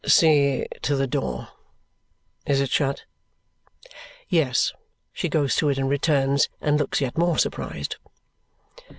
"See to the door. Is it shut?" Yes. She goes to it and returns, and looks yet more surprised.